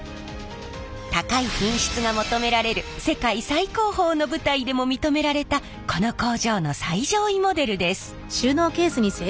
高い品質が求められる世界最高峰の舞台でも認められたこの工場の最上位モデルです。